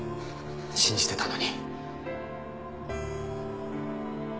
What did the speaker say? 信じてたのに。